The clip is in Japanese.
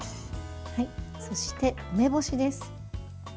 そして、梅干しです。